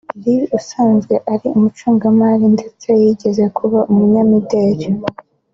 Lee usanzwe ari umucungamari ndetse yigeze kuba umunyamideli